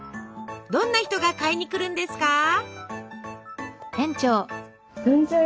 どんな人が買いに来るんですか？